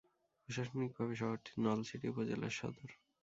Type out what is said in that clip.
প্রশাসনিকভাবে শহরটি নলছিটি উপজেলার সদর।